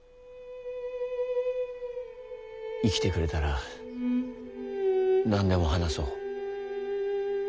生きてくれたら何でも話そう。